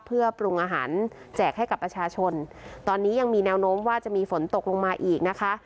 เพื่อปรุงอาหารแจกให้กับประชาชนตอนนี้ยังมีแนวโน้มว่าจะมีฝนตกลงมาอีกนะคะ